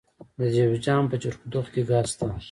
د جوزجان په جرقدوق کې ګاز شته.